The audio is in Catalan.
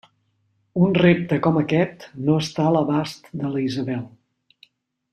Un repte com aquest no està a l'abast de la Isabel!